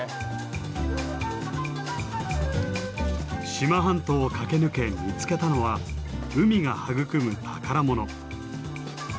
志摩半島を駆け抜け見つけたのは海が育む宝物。